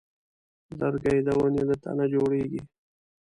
لرګی د ونې له تنه جوړېږي.